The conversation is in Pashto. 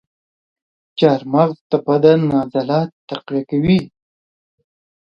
چارمغز د بدن عضلات تقویه کوي.